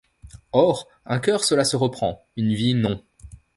Or un cœur cela se reprend... une vie non.